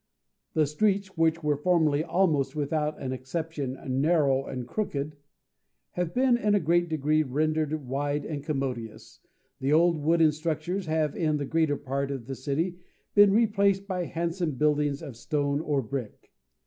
The streets, which were formerly almost without an exception narrow and crooked, have been in a great degree rendered wide and commodious; the old wooden structures have in the greater part of the city been replaced by handsome buildings of stone or brick.